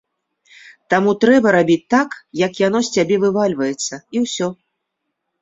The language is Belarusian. Таму трэба рабіць так, як яно з цябе вывальваецца, і ўсё.